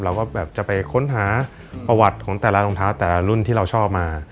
เราก็แบบจะไปค้นหาประวัติของแต่ละรองเท้าแต่ละรุ่นที่เราชอบมา